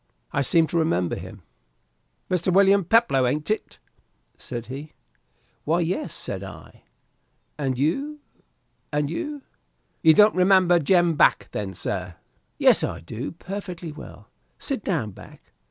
I seemed to remember him. "Mr. William Peploe, ain't it?" said he. "Why yes," said I, "and you and you ?" "You don't remember Jem Back then, sir?" "Yes I do, perfectly well. Sit down, Back.